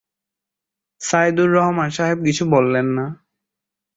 সাইদুর রহমান সাহেব কিছু বললেন না।